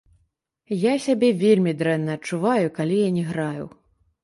Я сябе вельмі дрэнна адчуваю, калі я не граю.